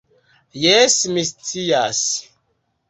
"Jes, mi scias."